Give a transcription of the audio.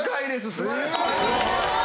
すごーい！